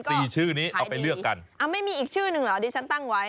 สี่ชื่อนี้เอาไปเลือกกันอ่าไม่มีอีกชื่อหนึ่งเหรอดิฉันตั้งไว้